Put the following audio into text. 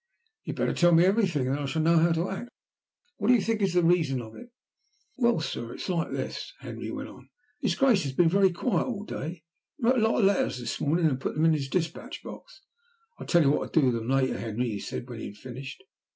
"You had better tell me everything, then I shall know how to act. What do you think is the reason of it?" "Well, sir, it's like this," Henry went on. "His Grace has been very quiet all day. He wrote a lot of letters this morning and put them in his dispatch box. 'I'll tell you what to do with them later, Henry,' he said when he had finished.